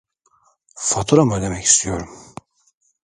Faturamı ödemek istiyorum